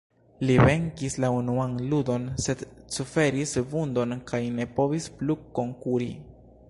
Li venkis la unuan ludon, sed suferis vundon kaj ne povis plu konkuri.